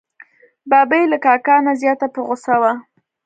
ببۍ له کاکا نه زیاته په غوسه وه.